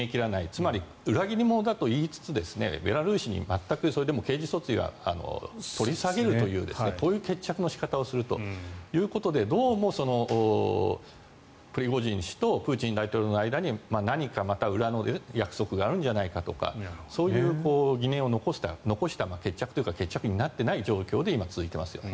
つまり、裏切り者だといいつつベラルーシに行って、刑事訴追は取り下げるというこういう決着の仕方をするということでどうもプリゴジン氏とプーチン大統領の間に何かまた裏の約束があるんじゃないかとかそういう疑念を残した決着になってない状況が今、続いていますよね。